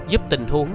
giúp tình huống